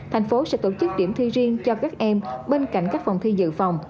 thành phố sẽ tổ chức điểm thi riêng cho các em bên cạnh các phòng thi dự phòng